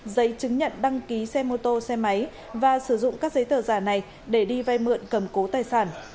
giấy chứng nhận đăng ký xe mô tô xe máy và sử dụng các giấy tờ giả này để đi vay mượn cầm cố tài sản